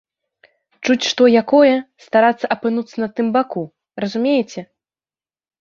Чуць што якое, старацца апынуцца на тым баку, разумееце?